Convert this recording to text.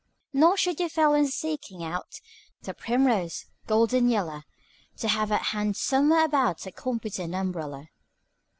"Nor should you fail when seeking out The primrose, golden yeller, To have at hand somewhere about A competent umbrella.